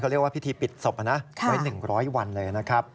เรียกว่าพิธีปิดศพนะไว้๑๐๐วันเลยนะครับ